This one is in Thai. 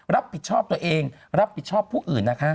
รับผิดชอบตัวเองรับผิดชอบผู้อื่นนะคะ